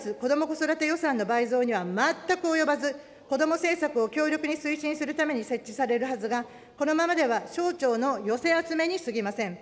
子育て予算の倍増には全く及ばず、子ども政策を強力に推進するために設置されるはずが、このままでは、省庁の寄せ集めにすぎません。